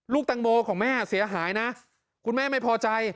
ตังโมของแม่เสียหายนะคุณแม่ไม่พอใจ